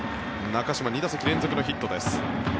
中島、２打席連続のヒットです。